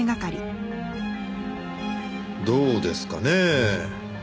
どうですかねぇ？